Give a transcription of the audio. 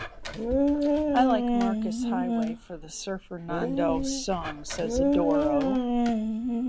I like Markus Highway for the Surfernando song, says Adoro.